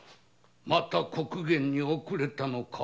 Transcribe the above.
また刻限に遅れたのか。